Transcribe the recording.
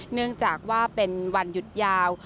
เนื่องจากว่าเป็นวันหยุดยาว